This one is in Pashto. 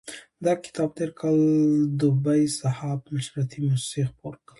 دا کتاب تېر کال دوبی صحاف نشراتي موسسې خپور کړ.